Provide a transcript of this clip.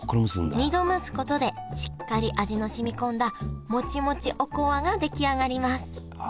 ２度蒸すことでしっかり味の染み込んだモチモチおこわが出来上がりますあ